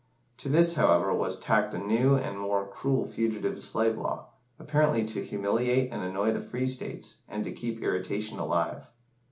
To this, however, was tacked a new and more cruel fugitive slave law, apparently to humiliate and annoy the free states, and to keep irritation alive.